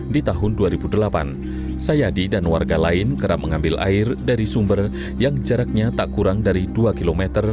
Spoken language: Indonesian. di tahun dua ribu delapan sayadi dan warga lain kerap mengambil air dari sumber yang jaraknya tak kurang dari dua km